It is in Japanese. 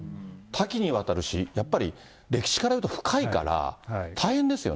多岐にわたるし、やっぱり、歴史からいうと深いから、大変ですよ